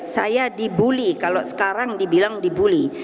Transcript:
saya dibully kalau sekarang dibilang dibully